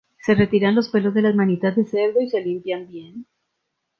Se retiran los pelos de las manitas de cerdo y se limpian bien.